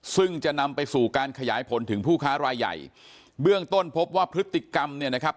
ซึ่งจะนำไปสู่การขยายผลถึงผู้ค้ารายใหญ่เบื้องต้นพบว่าพฤติกรรมเนี่ยนะครับ